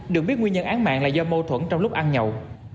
được biết nguyên nhân án mạng là do mâu thuẫn trong lúc ăn nhậu